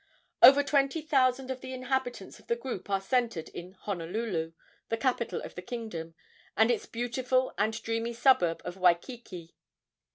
Over twenty thousand of the inhabitants of the group are centred in Honolulu, the capital of the kingdom, and its beautiful and dreamy suburb of Waikiki.